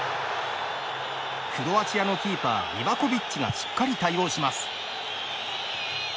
クロアチアのキーパーリバコビッチがしっかり対応します。